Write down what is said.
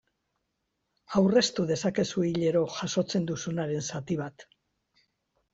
Aurreztu dezakezu hilero jasotzen duzubaren zati bat.